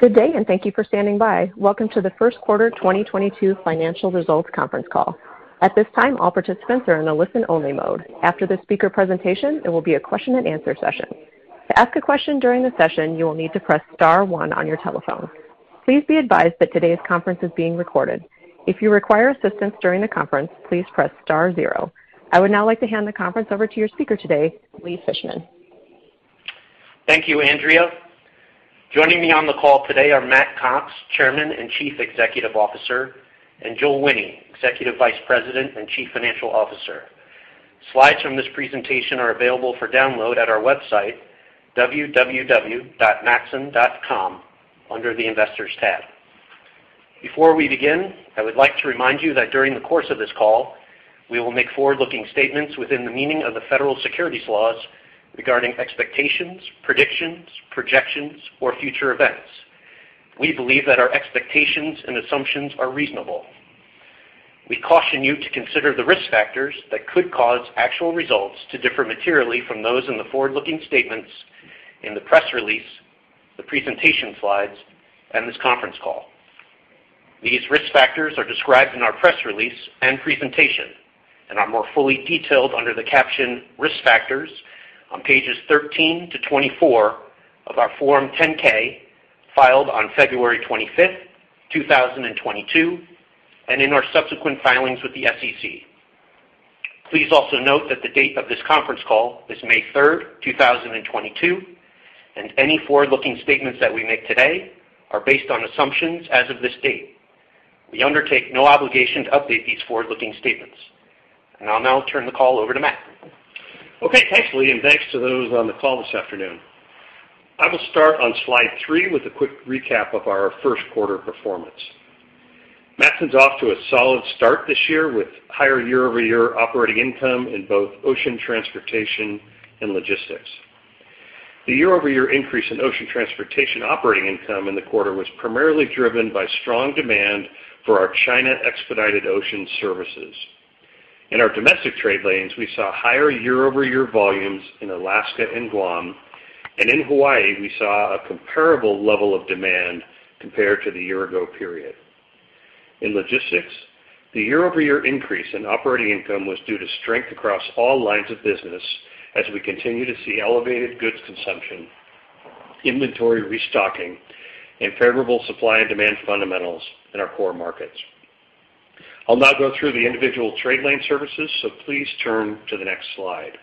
Good day, and thank you for standing by. Welcome to the first quarter 2022 financial results conference call. At this time, all participants are in a listen-only mode. After the speaker presentation, there will be a question-and-answer session. To ask a question during the session, you will need to press star one on your telephone. Please be advised that today's conference is being recorded. If you require assistance during the conference, please press star zero. I would now like to hand the conference over to your speaker today, Lee Fishman. Thank you, Andrea. Joining me on the call today are Matt Cox, Chairman and Chief Executive Officer, and Joel Wine, Executive Vice President and Chief Financial Officer. Slides from this presentation are available for download at our website, www.matson.com, under the Investors tab. Before we begin, I would like to remind you that during the course of this call, we will make forward-looking statements within the meaning of the federal securities laws regarding expectations, predictions, projections, or future events. We believe that our expectations and assumptions are reasonable. We caution you to consider the risk factors that could cause actual results to differ materially from those in the forward-looking statements in the press release, the presentation Slides, and this conference call. These risk factors are described in our press release and presentation and are more fully detailed under the caption Risk Factors on pages 13-24 of our Form 10-K filed on February 25th, 2022, and in our subsequent filings with the SEC. Please also note that the date of this conference call is May 3rd, 2022, and any forward-looking statements that we make today are based on assumptions as of this date. We undertake no obligation to update these forward-looking statements. I'll now turn the call over to Matt. Okay, thanks, Lee, and thanks to those on the call this afternoon. I will start on Slide Three with a quick recap of our first quarter performance. Matson's off to a solid start this year with higher year-over-year operating income in both ocean transportation and logistics. The year-over-year increase in ocean transportation operating income in the quarter was primarily driven by strong demand for our China expedited ocean services. In our domestic trade lanes, we saw higher year-over-year volumes in Alaska and Guam, and in Hawaii, we saw a comparable level of demand compared to the year-ago period. In logistics, the year-over-year increase in operating income was due to strength across all lines of business as we continue to see elevated goods consumption, inventory restocking, and favorable supply and demand fundamentals in our core markets. I'll now go through the individual trade lane services, so please turn to the next slide.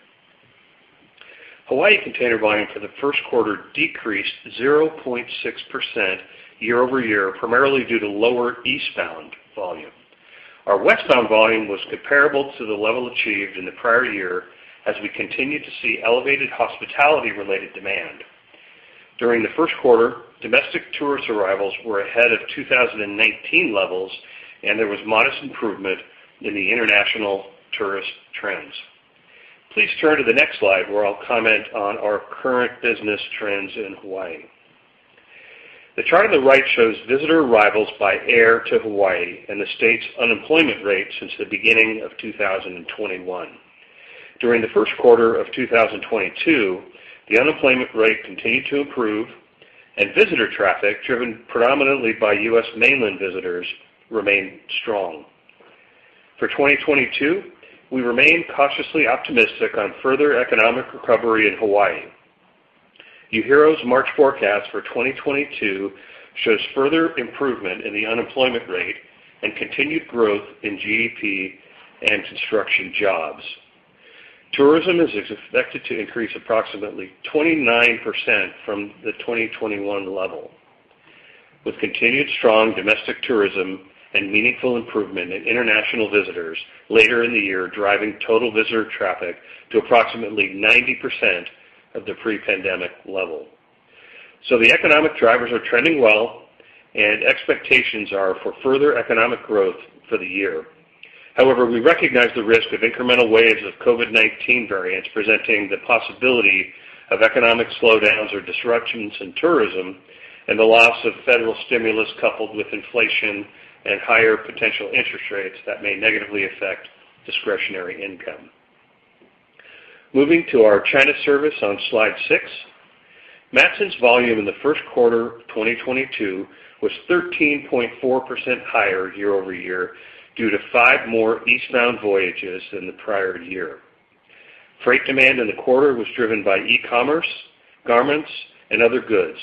Hawaii container volume for the first quarter decreased 0.6% year-over-year, primarily due to lower eastbound volume. Our westbound volume was comparable to the level achieved in the prior year as we continued to see elevated hospitality-related demand. During the first quarter, domestic tourist arrivals were ahead of 2019 levels, and there was modest improvement in the international tourist trends. Please turn to the next slide, where I'll comment on our current business trends in Hawaii. The chart on the right shows visitor arrivals by air to Hawaii and the state's unemployment rate since the beginning of 2021. During the first quarter of 2022, the unemployment rate continued to improve, and visitor traffic, driven predominantly by U.S. mainland visitors, remained strong. For 2022, we remain cautiously optimistic on further economic recovery in Hawaii. UHERO's March forecast for 2022 shows further improvement in the unemployment rate and continued growth in GDP and construction jobs. Tourism is expected to increase approximately 29% from the 2021 level, with continued strong domestic tourism and meaningful improvement in international visitors later in the year, driving total visitor traffic to approximately 90% of the pre-pandemic level. The economic drivers are trending well, and expectations are for further economic growth for the year. However, we recognize the risk of incremental waves of COVID-19 variants presenting the possibility of economic slowdowns or disruptions in tourism and the loss of federal stimulus coupled with inflation and higher potential interest rates that may negatively affect discretionary income. Moving to our China service on Slide Six. Matson's volume in the first quarter of 2022 was 13.4% higher year-over-year due to five more eastbound voyages than the prior year. Freight demand in the quarter was driven by e-commerce, garments, and other goods.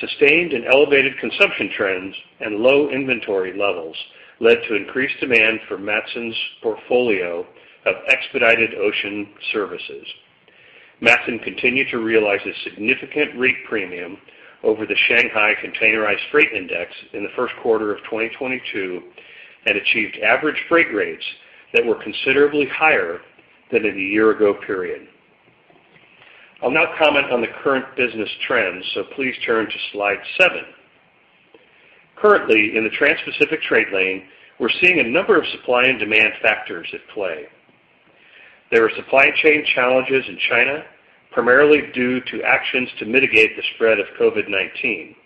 Sustained and elevated consumption trends and low inventory levels led to increased demand for Matson's portfolio of expedited ocean services. Matson continued to realize a significant rate premium over the Shanghai Containerized Freight Index in the first quarter of 2022 and achieved average freight rates that were considerably higher than in the year-ago period. I'll now comment on the current business trends, so please turn to Slide Seven. Currently, in the Transpacific trade lane, we're seeing a number of supply and demand factors at play. There are supply chain challenges in China, primarily due to actions to mitigate the spread of COVID-19.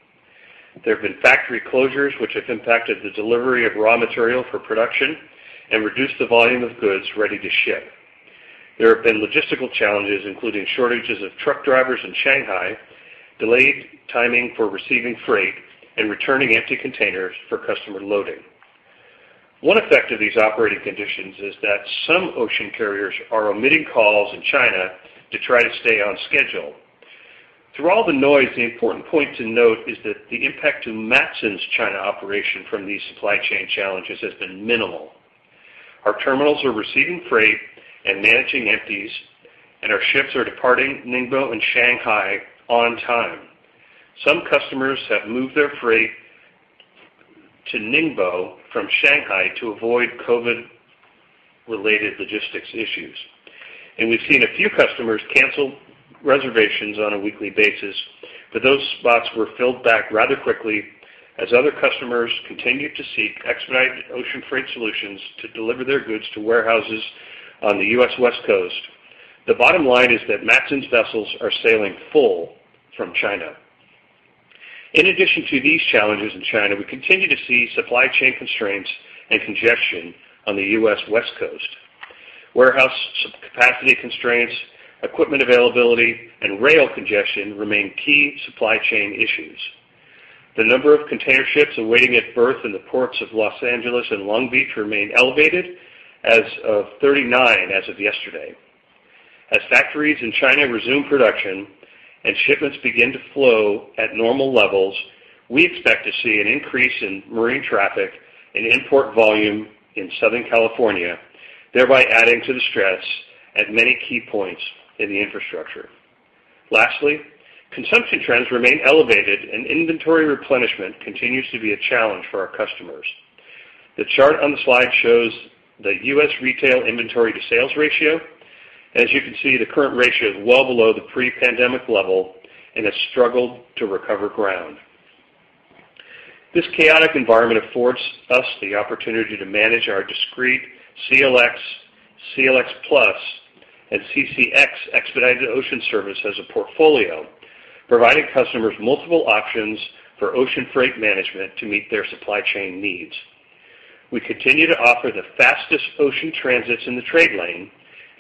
There have been factory closures which have impacted the delivery of raw material for production and reduced the volume of goods ready to ship. There have been logistical challenges, including shortages of truck drivers in Shanghai, delayed timing for receiving freight, and returning empty containers for customer loading. One effect of these operating conditions is that some ocean carriers are omitting calls in China to try to stay on schedule. Through all the noise, the important point to note is that the impact to Matson's China operation from these supply chain challenges has been minimal. Our terminals are receiving freight and managing empties, and our ships are departing Ningbo and Shanghai on time. Some customers have moved their freight to Ningbo from Shanghai to avoid COVID-related logistics issues. We've seen a few customers cancel reservations on a weekly basis, but those spots were filled back rather quickly as other customers continued to seek expedited ocean freight solutions to deliver their goods to warehouses on the U.S. West Coast. The bottom line is that Matson's vessels are sailing full from China. In addition to these challenges in China, we continue to see supply chain constraints and congestion on the U.S. West Coast. Warehouse capacity constraints, equipment availability, and rail congestion remain key supply chain issues. The number of container ships awaiting at berth in the ports of Los Angeles and Long Beach remain elevated as of 39 as of yesterday. As factories in China resume production and shipments begin to flow at normal levels, we expect to see an increase in marine traffic and import volume in Southern California, thereby adding to the stress at many key points in the infrastructure. Lastly, consumption trends remain elevated, and inventory replenishment continues to be a challenge for our customers. The chart on the slide shows the U.S. retail inventory to sales ratio. As you can see, the current ratio is well below the pre-pandemic level and has struggled to recover ground. This chaotic environment affords us the opportunity to manage our discrete CLX+, and CCX expedited ocean service as a portfolio, providing customers multiple options for ocean freight management to meet their supply chain needs. We continue to offer the fastest ocean transits in the trade lane,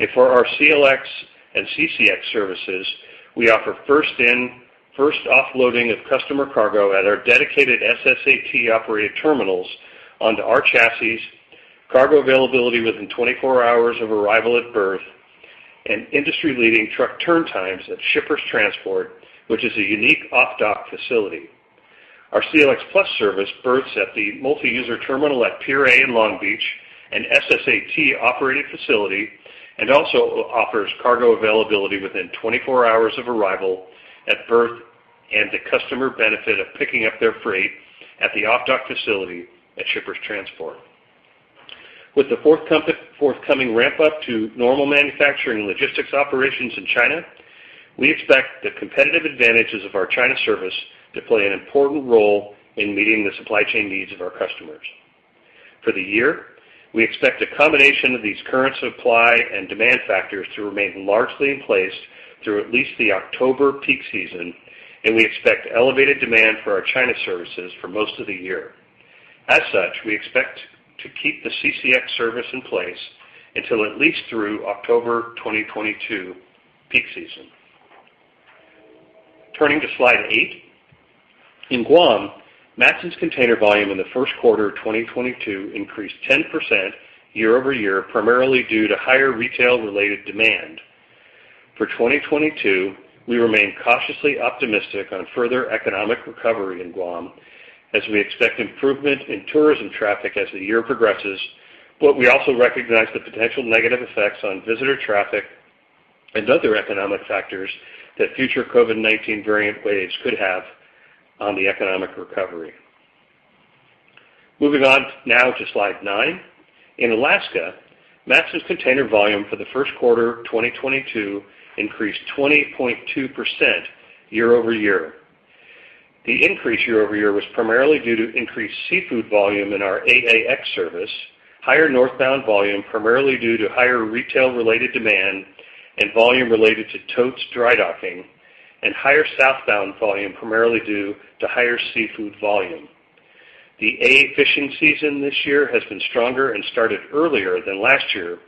and for our CLX and CCX services, we offer first in, first offloading of customer cargo at our dedicated SSAT-operated terminals onto our chassis, cargo availability within 24 hours of arrival at berth, and industry-leading truck turn times at Shippers Transport, which is a unique off-dock facility. Our CLX+ service berths at the multi-user terminal at Pier A in Long Beach, an SSAT-operated facility, and also offers cargo availability within 24 hours of arrival at berth and the customer benefit of picking up their freight at the off-dock facility at Shippers Transport. With the forthcoming ramp-up to normal manufacturing logistics operations in China, we expect the competitive advantages of our China service to play an important role in meeting the supply chain needs of our customers. For the year, we expect a combination of these current supply and demand factors to remain largely in place through at least the October peak season, and we expect elevated demand for our China services for most of the year. As such, we expect to keep the CCX service in place until at least through October 2022 peak season. Turning to Slide Eight. In Guam, Matson's container volume in the first quarter of 2022 increased 10% year-over-year, primarily due to higher retail-related demand. For 2022, we remain cautiously optimistic on further economic recovery in Guam as we expect improvement in tourism traffic as the year progresses, but we also recognize the potential negative effects on visitor traffic and other economic factors that future COVID-19 variant waves could have on the economic recovery. Moving on now to Slide Nine. In Alaska, Matson's container volume for the first quarter of 2022 increased 20.2% year-over-year. The increase year-over-year was primarily due to increased seafood volume in our AAX service, higher northbound volume primarily due to higher retail-related demand and volume related to TOTE's dry docking, and higher southbound volume primarily due to higher seafood volume. The Alaska fishing season this year has been stronger and started earlier than last year,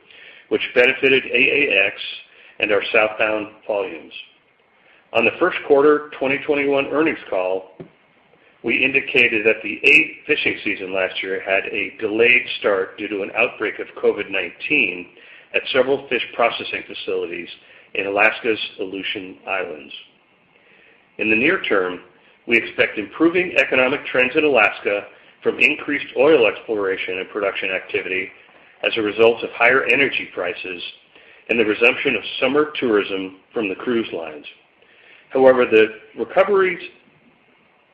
which benefited AAX and our southbound volumes. On the first quarter 2021 earnings call, we indicated that the Alaska fishing season last year had a delayed start due to an outbreak of COVID-19 at several fish processing facilities in Alaska's Aleutian Islands. In the near term, we expect improving economic trends in Alaska from increased oil exploration and production activity as a result of higher energy prices and the resumption of summer tourism from the cruise lines. However, the recovery's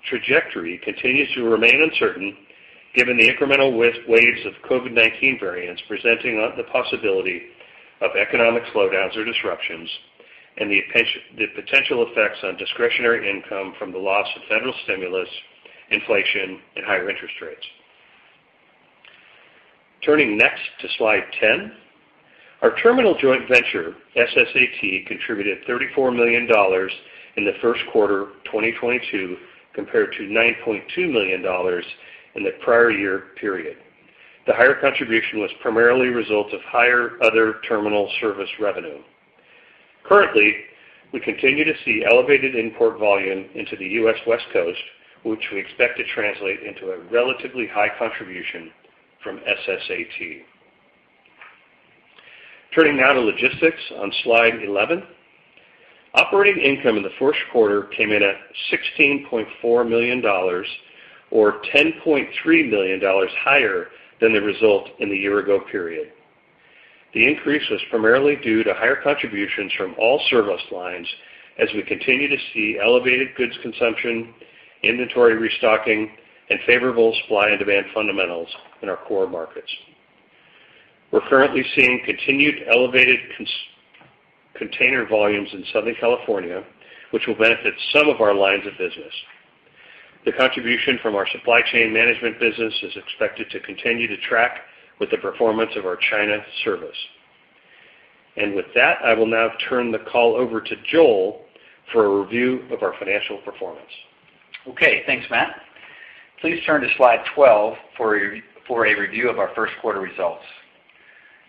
trajectory continues to remain uncertain given the incremental waves of COVID-19 variants presenting the possibility of economic slowdowns or disruptions and the potential effects on discretionary income from the loss of federal stimulus, inflation, and higher interest rates. Turning next to Slide 10. Our terminal joint venture, SSAT, contributed $34 million in the first quarter 2022 compared to $9.2 million in the prior year period. The higher contribution was primarily a result of higher other terminal service revenue. Currently, we continue to see elevated import volume into the U.S. West Coast, which we expect to translate into a relatively high contribution from SSAT. Turning now to logistics on Slide 11. Operating income in the first quarter came in at $16.4 million, or $10.3 million higher than the result in the year ago period. The increase was primarily due to higher contributions from all service lines as we continue to see elevated goods consumption, inventory restocking, and favorable supply and demand fundamentals in our core markets. We're currently seeing continued elevated container volumes in Southern California, which will benefit some of our lines of business. The contribution from our supply chain management business is expected to continue to track with the performance of our China service. With that, I will now turn the call over to Joel for a review of our financial performance. Okay. Thanks, Matt. Please turn to Slide 12 for a review of our first quarter results.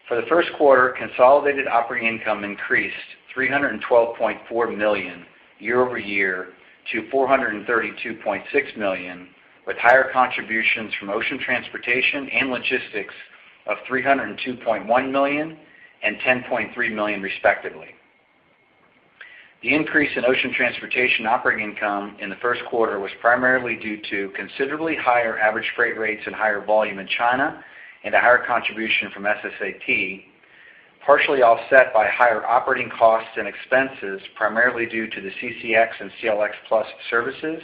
For the first quarter, consolidated operating income increased $312.4 million year-over-year to $432.6 million, with higher contributions from ocean transportation and logistics of $302.1 million and $10.3 million, respectively. The increase in ocean transportation operating income in the first quarter was primarily due to considerably higher average freight rates and higher volume in China and a higher contribution from SSAT, partially offset by higher operating costs and expenses, primarily due to the CCX and CLX+ services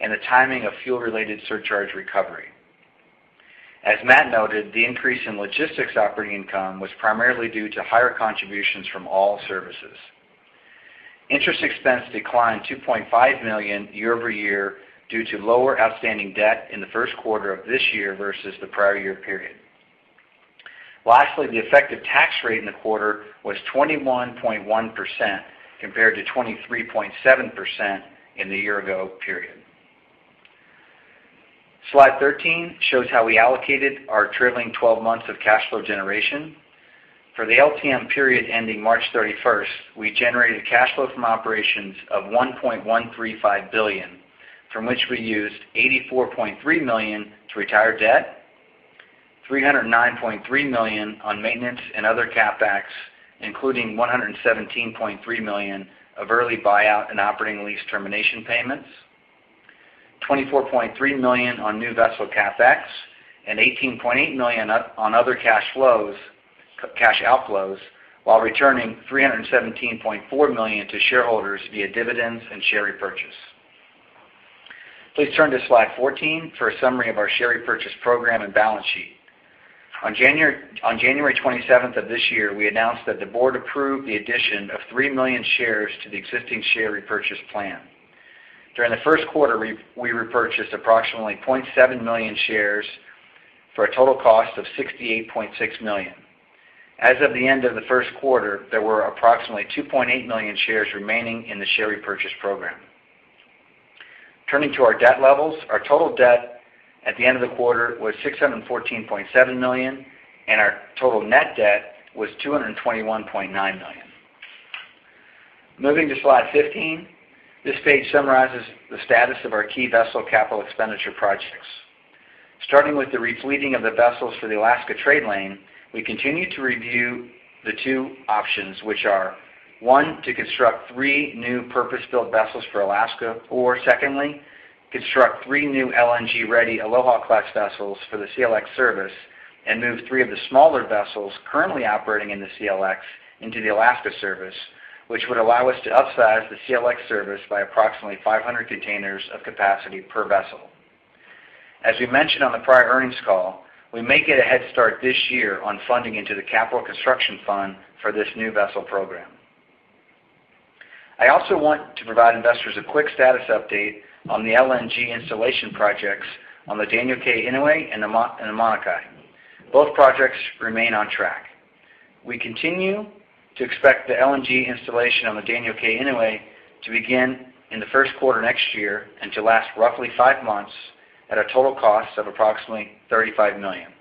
and the timing of fuel-related surcharge recovery. As Matt noted, the increase in logistics operating income was primarily due to higher contributions from all services. Interest expense declined $2.5 million year-over-year due to lower outstanding debt in the first quarter of this year versus the prior year period. Lastly, the effective tax rate in the quarter was 21.1% compared to 23.7% in the year ago period. Slide 13 shows how we allocated our trailing twelve months of cash flow generation. For the LTM period ending March 31st, we generated cash flow from operations of $1.135 billion, from which we used $84.3 million to retire debt, $309.3 million on maintenance and other CapEx, including $117.3 million of early buyout and operating lease termination payments, $24.3 million on new vessel CapEx, and $18.8 million on other cash flows, cash outflows while returning $317.4 million to shareholders via dividends and share repurchase. Please turn to Slide 14 for a summary of our share repurchase program and balance sheet. On January 27th of this year, we announced that the board approved the addition of 3 million shares to the existing share repurchase plan. During the first quarter, we repurchased approximately 0.7 million shares for a total cost of $68.6 million. As of the end of the first quarter, there were approximately 2.8 million shares remaining in the share repurchase program. Turning to our debt levels, our total debt at the end of the quarter was $614.7 million, and our total net debt was $221.9 million. Moving to Slide 15, this page summarizes the status of our key vessel capital expenditure projects. Starting with the repowering of the vessels for the Alaska trade lane, we continue to review the two options, which are, one, to construct three new purpose-built vessels for Alaska, or secondly, construct three new LNG-ready Aloha Class vessels for the CLX service and move three of the smaller vessels currently operating in the CLX into the Alaska service, which would allow us to upsize the CLX service by approximately 500 containers of capacity per vessel. As we mentioned on the prior earnings call, we may get a head start this year on funding into the Capital Construction Fund for this new vessel program. I also want to provide investors a quick status update on the LNG installation projects on the Daniel K. Inouye and the Mauna Kea. Both projects remain on track. We continue to expect the LNG installation on the Daniel K. Inouye to begin in the first quarter next year and to last roughly five months at a total cost of approximately $35 million.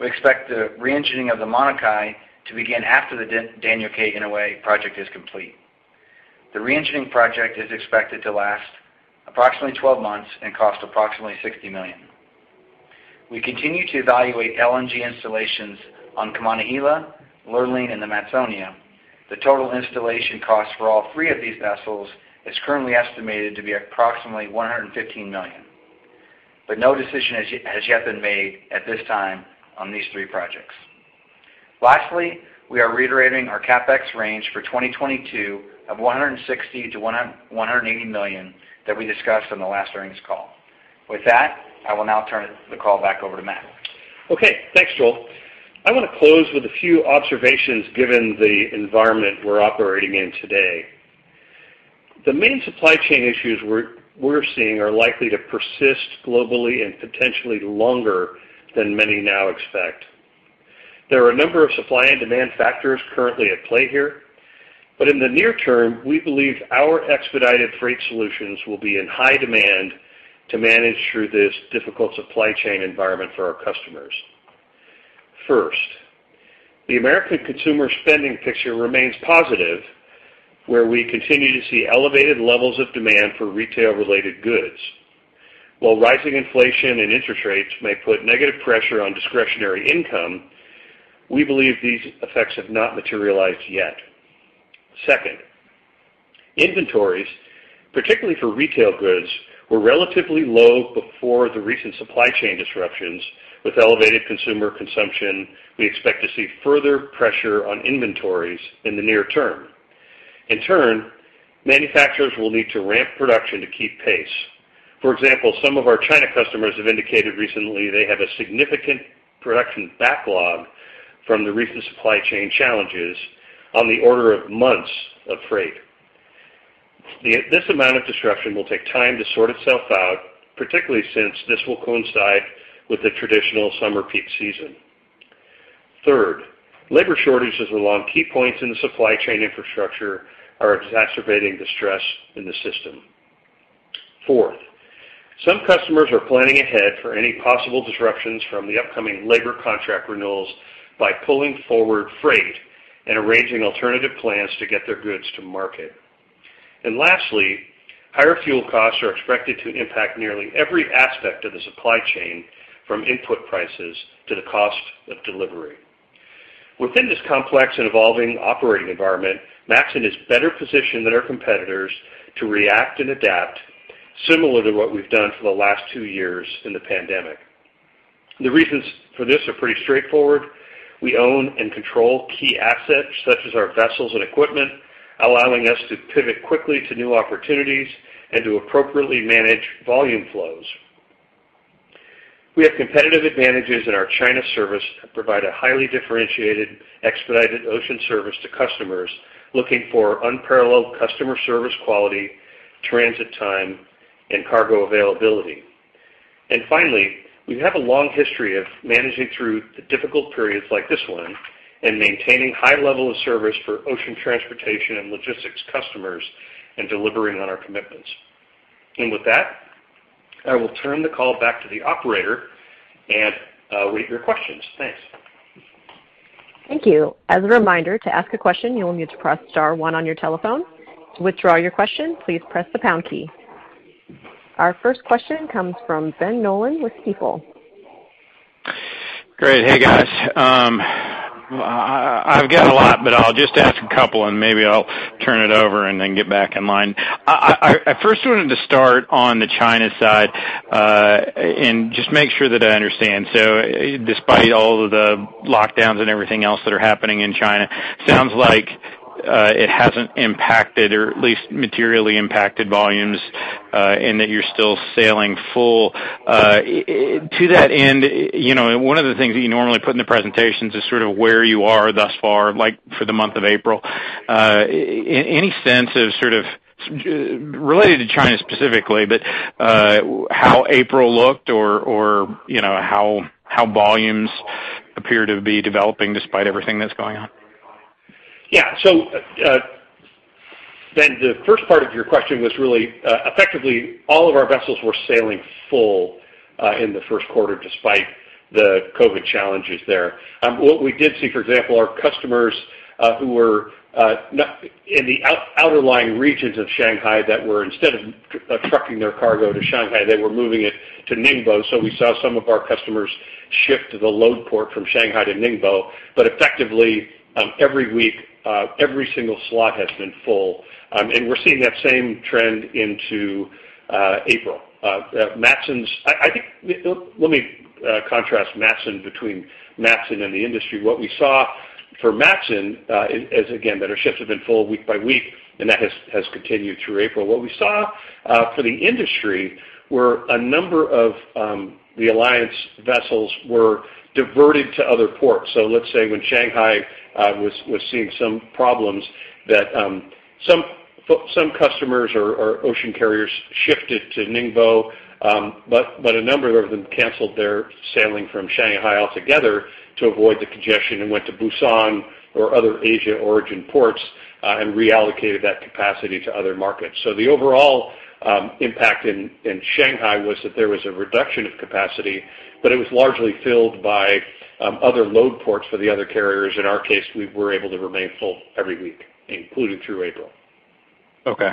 We expect the re-engining of the Mauna Kea to begin after the Daniel K. Inouye project is complete. The re-engining project is expected to last approximately 12 months and cost approximately $60 million. We continue to evaluate LNG installations on Kaimana Hila, Lurline, and the Matsonia. The total installation cost for all three of these vessels is currently estimated to be approximately $115 million. No decision has yet been made at this time on these three projects. Lastly, we are reiterating our CapEx range for 2022 of $160 million-$180 million that we discussed on the last earnings call. With that, I will now turn the call back over to Matt. Okay. Thanks, Joel. I want to close with a few observations given the environment we're operating in today. The main supply chain issues we're seeing are likely to persist globally and potentially longer than many now expect. There are a number of supply and demand factors currently at play here, but in the near term, we believe our expedited freight solutions will be in high demand to manage through this difficult supply chain environment for our customers. First, the American consumer spending picture remains positive, where we continue to see elevated levels of demand for retail-related goods. While rising inflation and interest rates may put negative pressure on discretionary income, we believe these effects have not materialized yet. Second, inventories, particularly for retail goods, were relatively low before the recent supply chain disruptions. With elevated consumer consumption, we expect to see further pressure on inventories in the near term. In turn, manufacturers will need to ramp production to keep pace. For example, some of our China customers have indicated recently they have a significant production backlog from the recent supply chain challenges on the order of months of freight. This amount of disruption will take time to sort itself out, particularly since this will coincide with the traditional summer peak season. Third, labor shortages along key points in the supply chain infrastructure are exacerbating the stress in the system. Fourth, some customers are planning ahead for any possible disruptions from the upcoming labor contract renewals by pulling forward freight and arranging alternative plans to get their goods to market. Lastly, higher fuel costs are expected to impact nearly every aspect of the supply chain from input prices to the cost of delivery. Within this complex and evolving operating environment, Matson is better positioned than our competitors to react and adapt similarly to what we've done for the last two years in the pandemic. The reasons for this are pretty straightforward. We own and control key assets such as our vessels and equipment, allowing us to pivot quickly to new opportunities and to appropriately manage volume flows. We have competitive advantages in our China service that provide a highly differentiated expedited ocean service to customers looking for unparalleled customer service quality, transit time, and cargo availability. Finally, we have a long history of managing through the difficult periods like this one and maintaining high level of service for ocean transportation and logistics customers and delivering on our commitments. With that, I will turn the call back to the operator and, wait for your questions. Thanks. Thank you. As a reminder, to ask a question, you will need to press star one on your telephone. To withdraw your question, please press the pound key. Our first question comes from Ben Nolan with Stifel. Great. Hey, guys. I've got a lot, but I'll just ask a couple, and maybe I'll turn it over and then get back in line. I first wanted to start on the China side, and just make sure that I understand. Despite all of the lockdowns and everything else that are happening in China, sounds like it hasn't impacted or at least materially impacted volumes, in that you're still sailing full. To that end, you know, one of the things that you normally put in the presentations is sort of where you are thus far, like for the month of April. Any sense of sort of related to China specifically, but how April looked or, you know, how volumes appear to be developing despite everything that's going on? Yeah. Ben, the first part of your question was really effectively all of our vessels were sailing full in the first quarter despite the COVID challenges there. What we did see, for example, our customers who were not in the outlying regions of Shanghai instead of trucking their cargo to Shanghai, they were moving it to Ningbo. We saw some of our customers shift the load port from Shanghai to Ningbo. Effectively, every week, every single slot has been full. We're seeing that same trend into April. Matson's, I think, let me contrast between Matson and the industry. What we saw for Matson is again that our ships have been full week by week, and that has continued through April. What we saw for the industry were a number of the alliance vessels were diverted to other ports. Let's say when Shanghai was seeing some problems that some customers or ocean carriers shifted to Ningbo, but a number of them canceled their sailing from Shanghai altogether to avoid the congestion and went to Busan or other Asia origin ports, and reallocated that capacity to other markets. The overall impact in Shanghai was that there was a reduction of capacity, but it was largely filled by other load ports for the other carriers. In our case, we were able to remain full every week, including through April. Okay.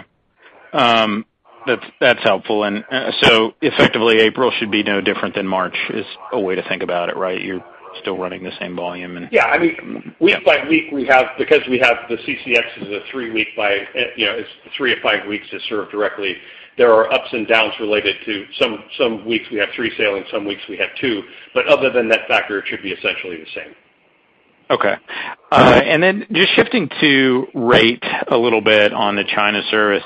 That's helpful. Effectively, April should be no different than March is a way to think about it, right? You're still running the same volume and Yeah. I mean, week by week, because we have the CCX is a three-week voyage, you know, it's 3-5 weeks to serve directly. There are ups and downs related to some weeks we have three sailings, some weeks we have two. Other than that factor, it should be essentially the same. Okay. Just shifting to rate a little bit on the China service.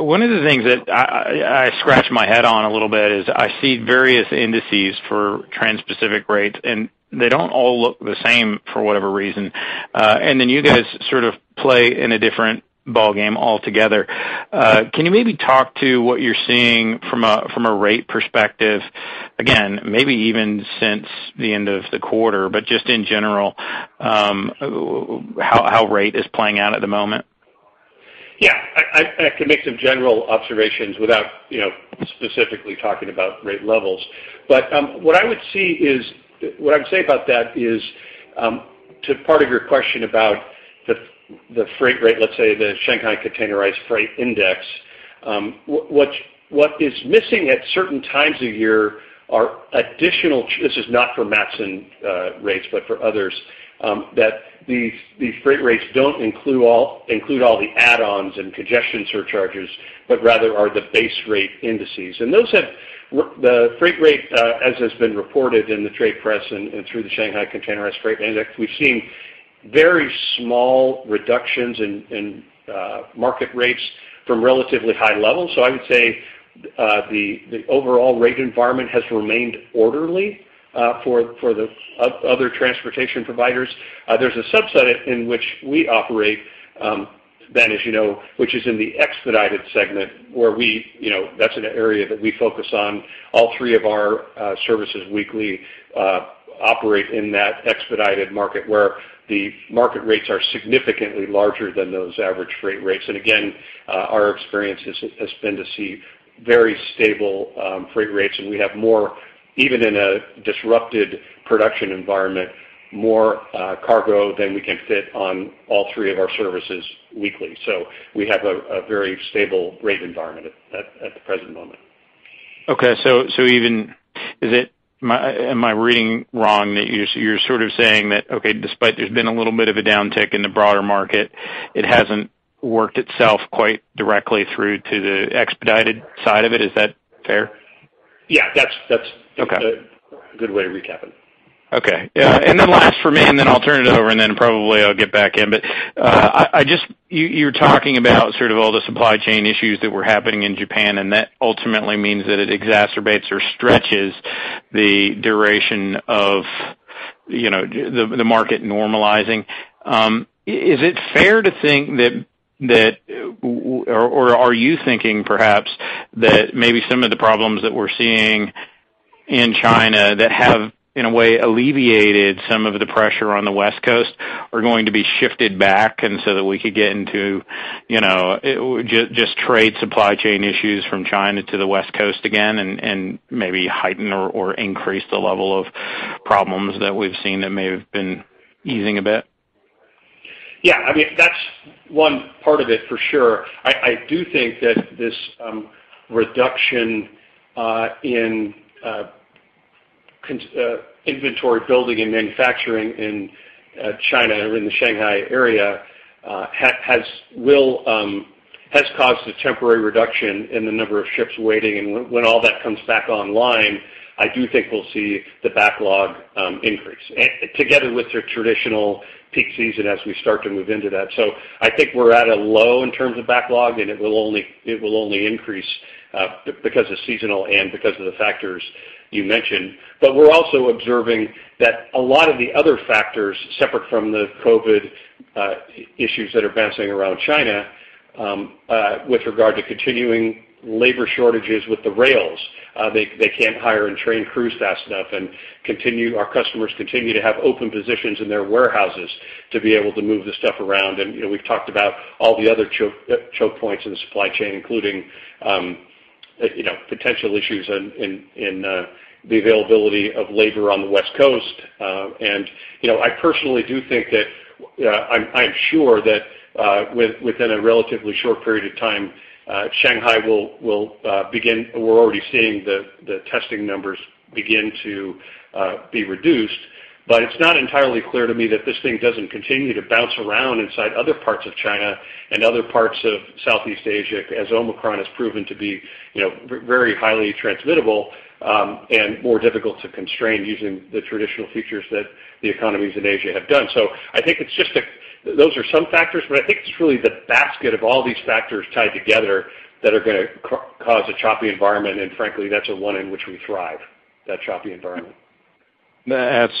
One of the things that I scratch my head on a little bit is I see various indices for transpacific rates, and they don't all look the same for whatever reason. You guys sort of play in a different ballgame altogether. Can you maybe talk to what you're seeing from a rate perspective, again, maybe even since the end of the quarter, but just in general, how rate is playing out at the moment? Yeah, I can make some general observations without, you know, specifically talking about rate levels. What I would say about that is, to part of your question about the freight rate, let's say, the Shanghai Containerized Freight Index, what is missing at certain times of year are additional, this is not for Matson rates, but for others, that these freight rates don't include all the add-ons and congestion surcharges, but rather are the base rate indices. The freight rate, as has been reported in the trade press and through the Shanghai Containerized Freight Index, we've seen very small reductions in market rates from relatively high levels. I would say the overall rate environment has remained orderly for the other transportation providers. There's a subset in which we operate, Ben, as you know, which is in the expedited segment, where we, you know, that's an area that we focus on. All three of our services weekly operate in that expedited market, where the market rates are significantly larger than those average freight rates. Again, our experience has been to see very stable freight rates, and we have more, even in a disrupted production environment, more cargo than we can fit on all three of our services weekly. We have a very stable rate environment at the present moment. Am I reading wrong that you're sort of saying that, okay, despite there's been a little bit of a downtick in the broader market, it hasn't worked itself quite directly through to the expedited side of it? Is that fair? Yeah. That's Okay a good way to recap it. Okay. Last for me, and then I'll turn it over, and then probably I'll get back in. You're talking about sort of all the supply chain issues that were happening in Japan, and that ultimately means that it exacerbates or stretches the duration of, you know, the market normalizing. Is it fair to think that or are you thinking perhaps that maybe some of the problems that we're seeing in China that have, in a way, alleviated some of the pressure on the West Coast are going to be shifted back and so that we could get into, you know, just trade supply chain issues from China to the West Coast again and maybe heighten or increase the level of problems that we've seen that may have been easing a bit? Yeah. I mean, that's one part of it for sure. I do think that this reduction in inventory building and manufacturing in China and in the Shanghai area has caused a temporary reduction in the number of ships waiting. When all that comes back online, I do think we'll see the backlog increase together with their traditional peak season as we start to move into that. I think we're at a low in terms of backlog, and it will only increase because of seasonal and because of the factors you mentioned. We're also observing that a lot of the other factors separate from the COVID issues that are bouncing around China with regard to continuing labor shortages with the rails, they can't hire and train crews fast enough and our customers continue to have open positions in their warehouses to be able to move the stuff around. You know, we've talked about all the other choke points in the supply chain, including you know, potential issues in the availability of labor on the West Coast. You know, I personally do think that I'm sure that within a relatively short period of time, Shanghai will begin. We're already seeing the testing numbers begin to be reduced. It's not entirely clear to me that this thing doesn't continue to bounce around inside other parts of China and other parts of Southeast Asia as Omicron has proven to be, you know, very highly transmissible, and more difficult to constrain using the traditional features that the economies in Asia have done. I think those are some factors, but I think it's really the basket of all these factors tied together that are gonna cause a choppy environment, and frankly, that's the one in which we thrive, that choppy environment. That's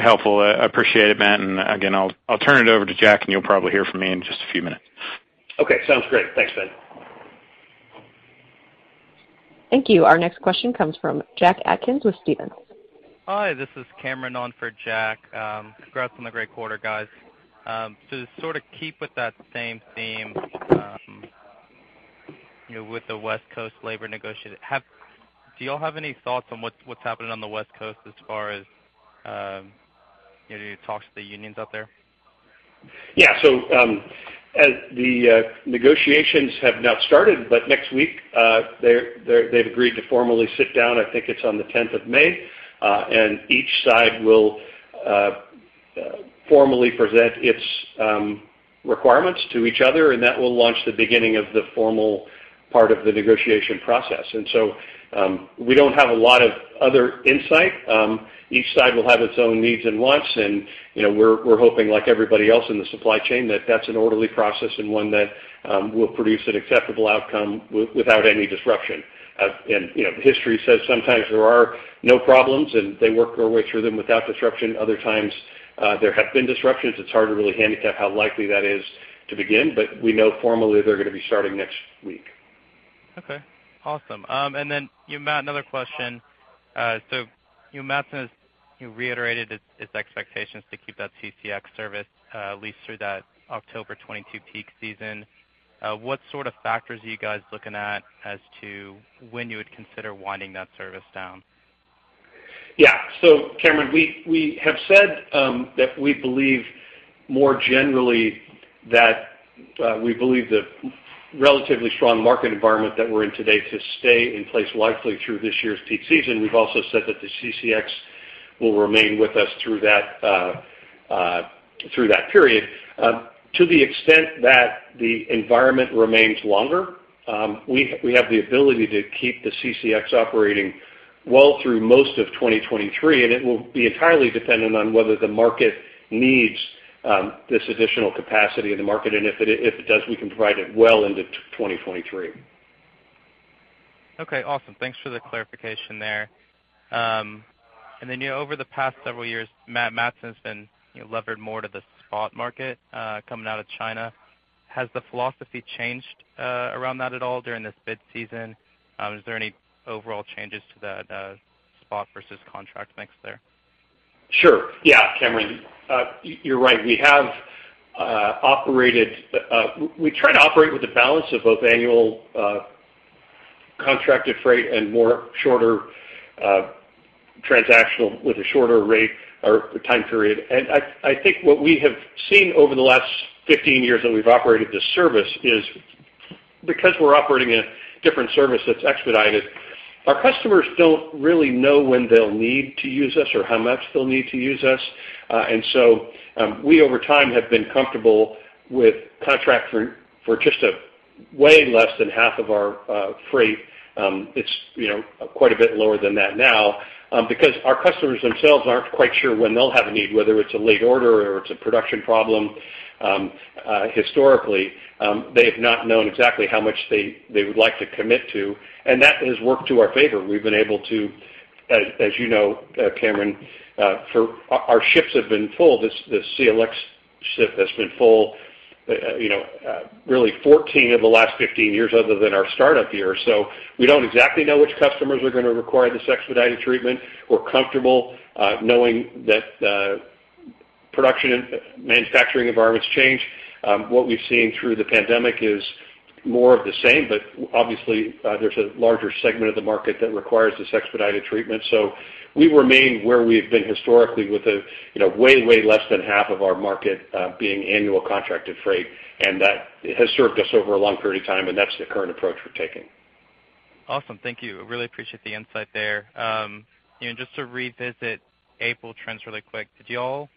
helpful. I appreciate it, Matt. Again, I'll turn it over to Jack, and you'll probably hear from me in just a few minutes. Okay. Sounds great. Thanks, Ben. Thank you. Our next question comes from Jack Atkins with Stephens. Hi. This is Cameron on for Jack. Congrats on the great quarter, guys. To sort of keep with that same theme, you know, with the West Coast labor negotiations, do y'all have any thoughts on what's happening on the West Coast as far as, you know, talks to the unions out there? Yeah. As the negotiations have not started, but next week, they've agreed to formally sit down, I think it's on the tenth of May, and each side will formally present its requirements to each other, and that will launch the beginning of the formal part of the negotiation process. We don't have a lot of other insight. Each side will have its own needs and wants, and, you know, we're hoping like everybody else in the supply chain that that's an orderly process and one that will produce an acceptable outcome without any disruption. You know, history says sometimes there are no problems, and they work their way through them without disruption. Other times, there have been disruptions. It's hard to really handicap how likely that is to begin, but we know formally they're gonna be starting next week. Okay, awesome. Matt, another question. Matt, you reiterated its expectations to keep that CCX service at least through that October 2022 peak season. What sort of factors are you guys looking at as to when you would consider winding that service down? Yeah. Cameron, we have said that we believe more generally that we believe the relatively strong market environment that we're in today to stay in place likely through this year's peak season. We've also said that the CCX will remain with us through that period. To the extent that the environment remains longer, we have the ability to keep the CCX operating well through most of 2023, and it will be entirely dependent on whether the market needs this additional capacity in the market. If it does, we can provide it well into 2023. Okay, awesome. Thanks for the clarification there. You know, over the past several years, Matt, Matson's been, you know, levered more to the spot market, coming out of China. Has the philosophy changed, around that at all during this bid season? Is there any overall changes to that, spot versus contract mix there? Sure. Yeah, Cameron, you're right. We have operated, we try to operate with a balance of both annual contracted freight and more shorter transactional with a shorter rate or time period. I think what we have seen over the last 15 years that we've operated this service is because we're operating a different service that's expedited, our customers don't really know when they'll need to use us or how much they'll need to use us. We over time have been comfortable with contract for just a way less than half of our freight. It's, you know, quite a bit lower than that now, because our customers themselves aren't quite sure when they'll have a need, whether it's a late order or it's a production problem. Historically, they have not known exactly how much they would like to commit to, and that has worked to our favor. We've been able to, as you know, Cameron. Our ships have been full. This CLX ship has been full, really 14 of the last 15 years other than our startup year. We don't exactly know which customers are gonna require this expedited treatment. We're comfortable knowing that production and manufacturing environments change. What we've seen through the pandemic is more of the same, but obviously, there's a larger segment of the market that requires this expedited treatment. We remain where we've been historically with a, you know, way less than half of our market being annual contracted freight, and that has served us over a long period of time, and that's the current approach we're taking. Awesome. Thank you. I really appreciate the insight there. You know, just to revisit April trends really quick. Did y'all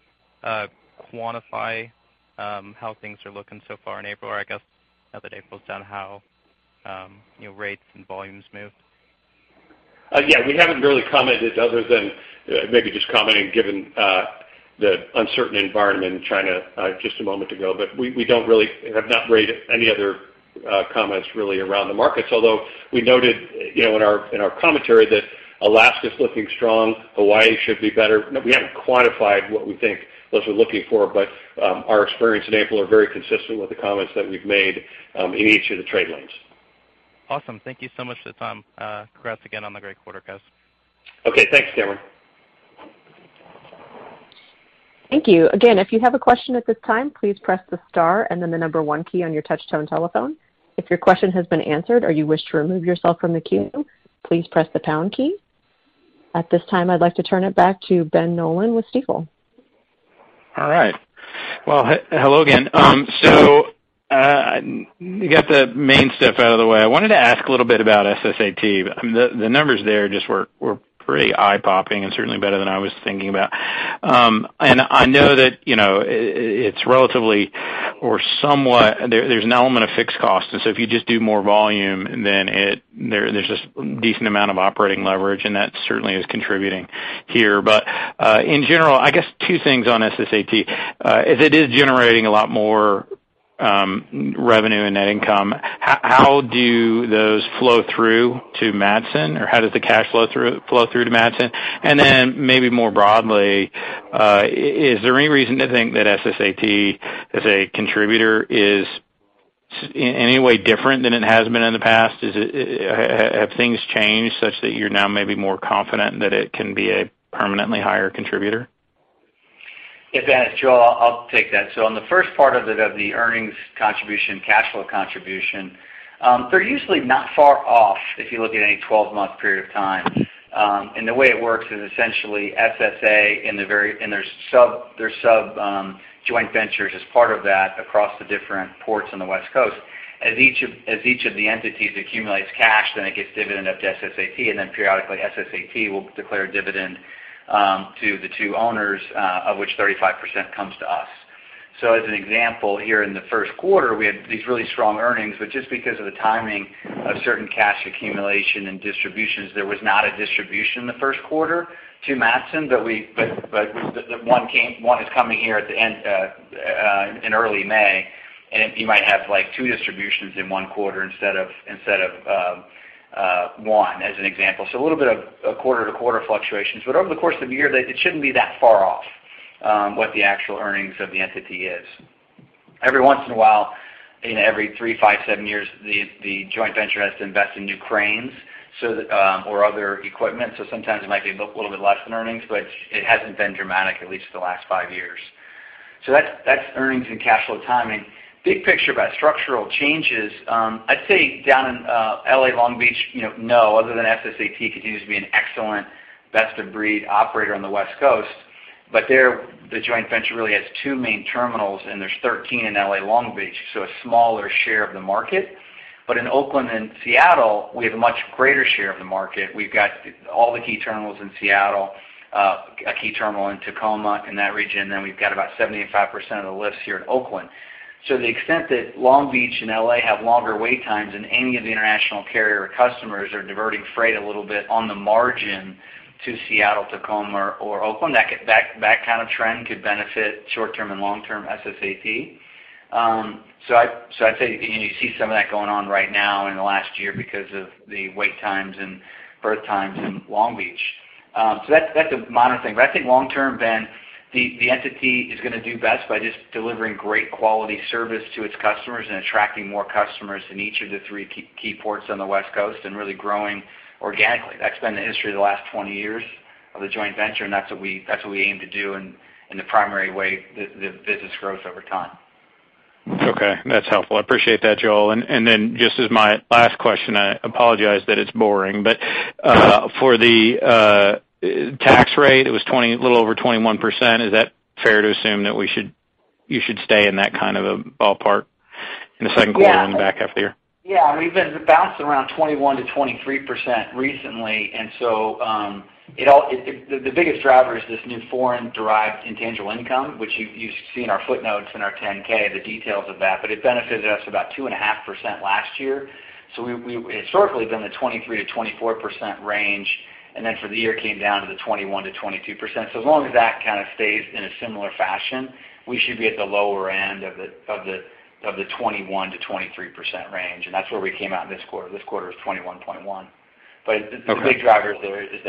quantify how things are looking so far in April, or I guess now that April's done, how you know, rates and volumes moved? Yeah, we haven't really commented other than maybe just commenting given the uncertain environment in China just a moment ago. We don't really have not made any other comments really around the markets. Although we noted, you know, in our commentary that Alaska's looking strong, Hawaii should be better. We haven't quantified what we think those are looking for, but our experience in April are very consistent with the comments that we've made in each of the trade lanes. Awesome. Thank you so much for the time. Congrats again on the great quarter, guys. Okay. Thanks, Cameron. Thank you. Again, if you have a question at this time, please press the star and then the number one key on your touchtone telephone. If your question has been answered or you wish to remove yourself from the queue, please press the pound key. At this time, I'd like to turn it back to Ben Nolan with Stifel. All right. Well, hello again. You got the main stuff out of the way. I wanted to ask a little bit about SSAT. The numbers there just were pretty eye-popping and certainly better than I was thinking about. I know that, you know, it's relatively or somewhat there's an element of fixed cost. If you just do more volume, then there's this decent amount of operating leverage, and that certainly is contributing here. In general, I guess two things on SSAT. As it is generating a lot more revenue and net income, how do those flow through to Matson, or how does the cash flow through to Matson? Maybe more broadly, is there any reason to think that SSAT as a contributor is in any way different than it has been in the past? Is it? Have things changed such that you're now maybe more confident that it can be a permanently higher contributor? Yeah, Ben, it's Joel. I'll take that. On the first part of it, of the earnings contribution, cash flow contribution, they're usually not far off if you look at any 12-month period of time. The way it works is essentially SSA and their sub joint ventures as part of that across the different ports on the West Coast. As each of the entities accumulates cash, then it gets dividend up to SSAT, and then periodically SSAT will declare a dividend to the two owners, of which 35% comes to us. As an example, here in the first quarter, we had these really strong earnings, but just because of the timing of certain cash accumulation and distributions, there was not a distribution in the first quarter to Matson, but one is coming here at the end, in early May. You might have, like, two distributions in one quarter instead of one as an example. A little bit of quarter-to-quarter fluctuations. Over the course of a year, it shouldn't be that far off what the actual earnings of the entity is. Every once in a while, in every three, five, seven years, the joint venture has to invest in new cranes so that or other equipment. Sometimes it might be a little bit less than earnings, but it hasn't been dramatic at least the last five years. That's earnings and cash flow timing. Big picture about structural changes, I'd say down in L.A. Long Beach, no, other than SSAT continues to be an excellent best-of-breed operator on the West Coast. There, the joint venture really has two main terminals, and there's 13 in L.A. Long Beach, so a smaller share of the market. In Oakland and Seattle, we have a much greater share of the market. We've got all the key terminals in Seattle, a key terminal in Tacoma, in that region, then we've got about 75% of the lifts here in Oakland. To the extent that Long Beach and L.A. have longer wait times than any of the international carrier customers are diverting freight a little bit on the margin to Seattle, Tacoma or Oakland, that kind of trend could benefit short-term and long-term SSAT. I'd say, you know, you see some of that going on right now in the last year because of the wait times and berth times in Long Beach. That's a minor thing. I think long term, Ben, the entity is gonna do best by just delivering great quality service to its customers and attracting more customers in each of the three key ports on the West Coast and really growing organically. That's been the history of the last 20 years of the joint venture, and that's what we aim to do in the primary way the business grows over time. Okay. That's helpful. I appreciate that, Joel. Just as my last question, I apologize that it's boring, but for the tax rate, it was little over 21%. Is that fair to assume that you should stay in that kind of a ballpark in the second quarter and the back half of the year? Yeah. We've been bouncing around 21%-23% recently. It all it the biggest driver is this new Foreign-Derived Intangible Income, which you see in our footnotes in our 10-K, the details of that. It benefited us about 2.5% last year. We historically have been at 23%-24% range, and then for the year came down to the 21%-22%. As long as that kind of stays in a similar fashion, we should be at the lower end of the 21%-23% range. That's where we came out in this quarter. This quarter is 21.1%. But Okay. The big drivers there is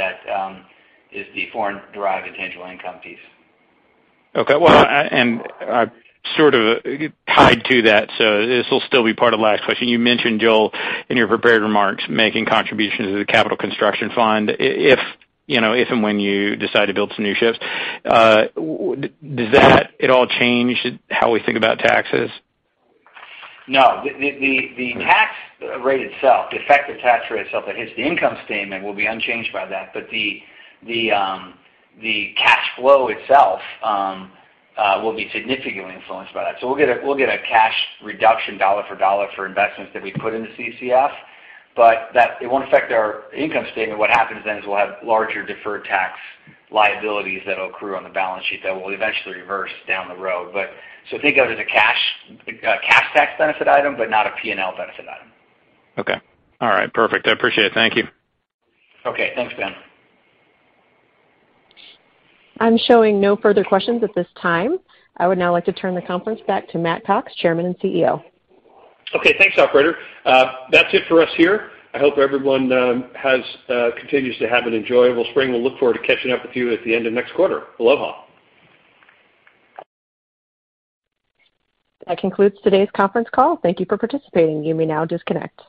the Foreign-Derived Intangible Income piece. Okay. Well, sort of tied to that. This will still be part of the last question. You mentioned, Joel, in your prepared remarks, making contributions to the Capital Construction Fund. If, you know, if and when you decide to build some new ships, does that at all change how we think about taxes? No. The tax rate itself, the effective tax rate itself that hits the income statement will be unchanged by that. The cash flow itself will be significantly influenced by that. We'll get a cash reduction dollar for dollar for investments that we put in the CCF, but it won't affect our income statement. What happens then is we'll have larger deferred tax liabilities that will accrue on the balance sheet that will eventually reverse down the road. Think of it as a cash tax benefit item, but not a P&L benefit item. Okay. All right. Perfect. I appreciate it. Thank you. Okay. Thanks, Ben. I'm showing no further questions at this time. I would now like to turn the conference back to Matt Cox, Chairman and CEO. Okay. Thanks, operator. That's it for us here. I hope everyone continues to have an enjoyable spring. We'll look forward to catching up with you at the end of next quarter. Aloha. That concludes today's conference call. Thank you for participating. You may now disconnect.